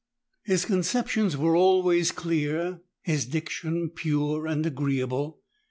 His conceptions were always clear, his diction pure and agreeable.